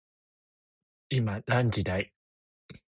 今何時だい